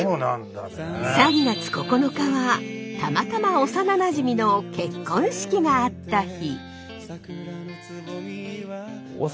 ３月９日はたまたま幼なじみの結婚式があった日。